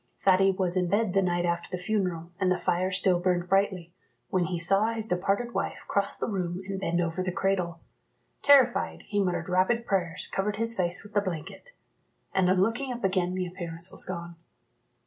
Thady was in bed the night after the funeral, and the fire still burned brightly, when he saw his departed wife cross the room and bend over the cradle. Terrified, he muttered rapid prayers, covered his face with the blanket; and on looking up again the appearance was gone.